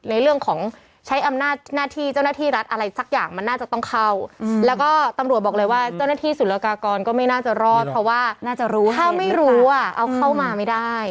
ในเรื่องของใช้อำนาจหน้าที่เจ้าหน้าที่รัฐอะไรสักอย่างมันน่าจะต้องเข้าแล้วก็ตำรวจบอกเลยว่าเจ้าหน้าที่สุรกากรก็ไม่น่าจะรอดเพราะว่าน่าจะรู้ถ้าไม่รู้อ่ะเอาเข้ามาไม่ได้